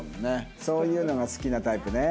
そういうのが好きなタイプね。